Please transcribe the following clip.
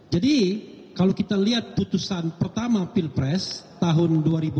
jadi kalau kita lihat putusan pertama pilpres tahun dua ribu empat